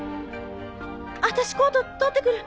私コート取って来る。